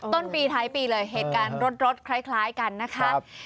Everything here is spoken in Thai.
ต้นปีท้ายปีเลยเหตุการณ์รถคล้ายกันนะคะ